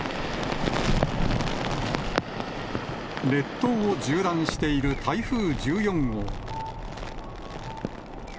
列島を縦断している台風１４